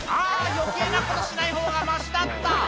余計なことしないほうがマシだった」